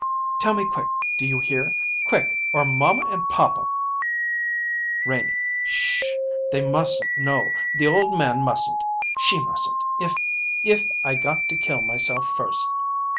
"Tell me quick do you hear? Quick, or mamma and papa " "Renie 'sh h h! They mustn't know the old man mustn't; she mustn't, if if I got to kill myself first.